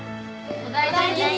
お大事に。